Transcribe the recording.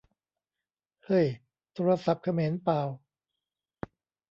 เฮ่ย โทรศัพท์เขมรป่าว !